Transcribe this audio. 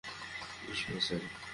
ইশ, বেচারী।